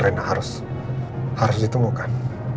rena harus harus ditemukan